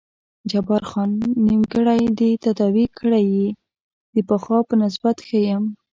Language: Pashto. جبار خان: نیمګړی دې تداوي کړی یې، د پخوا په نسبت ښه یم.